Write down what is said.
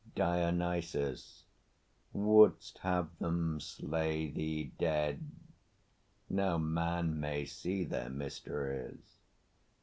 DIONYSUS. Wouldst have them slay thee dead? No man may see their mysteries.